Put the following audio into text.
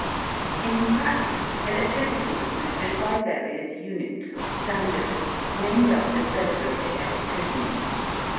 In practice electricity is measured by various units or standards named after celebrated electricians.